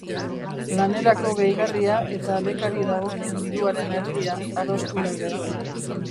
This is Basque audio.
Lanerako gehigarria eta bekari dagokion diruaren erdia, adostu legez.